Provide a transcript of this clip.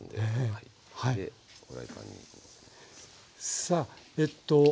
さあえっと